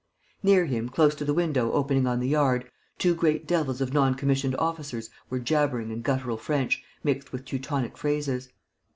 Near him, close to the window opening on the yard, two great devils of non commissioned officers were jabbering in guttural French, mixed with Teutonic phrases.